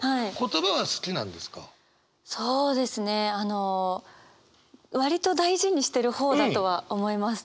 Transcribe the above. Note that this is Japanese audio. そうですねあの割と大事にしてる方だとは思います。